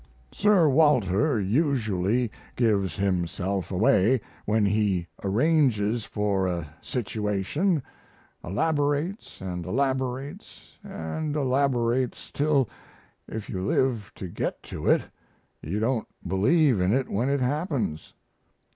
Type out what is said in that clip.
Sir Walter usually gives himself away when he arranges for a situation elaborates & elaborates & elaborates till, if you live to get to it, you don't believe in it when it happens.